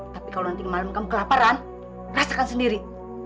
tapi kalau nanti malam kamu kelaparan rasakan sendiri